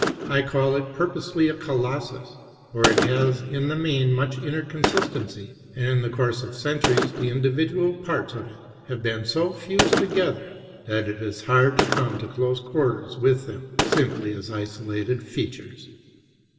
I call it purposely a Colossus, for it has in the main much inner consistency; and in the course of centuries the individual parts of it have been so fused together that it is hard to come to close quarters with them simply as isolated features.